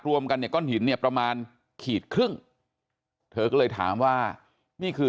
รวมกันเนี่ยก้อนหินเนี่ยประมาณขีดครึ่งเธอก็เลยถามว่านี่คือ